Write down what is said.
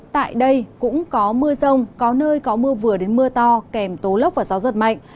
tại đây cũng có mưa rông có nơi có mưa vừa đến mưa to kèm tố lốc và gió giật mạnh